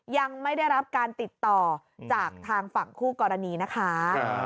ยังไม่ได้รับการติดต่อจากทางฝั่งคู่กรณีนะคะ